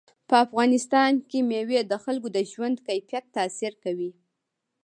په افغانستان کې مېوې د خلکو د ژوند کیفیت تاثیر کوي.